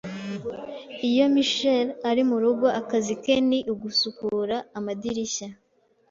Iyo Michael ari murugo, akazi ke ni ugusukura amadirishya